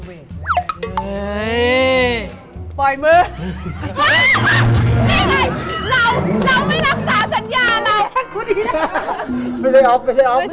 ใครอีก